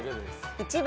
１番。